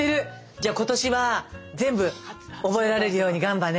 じゃ今年は全部覚えられるようにガンバね。